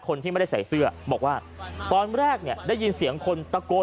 คนที่ไม่ได้ใส่เสื้อบอกว่าตอนแรกเนี่ยได้ยินเสียงคนตะโกน